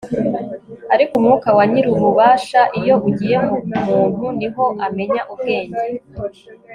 ariko umwuka wa nyir'ububasha, iyo ugiye mu muntu, ni ho amenya ubwenge